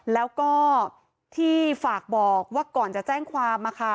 แล้วก็ที่ฝากบอกว่าก่อนจะแจ้งความ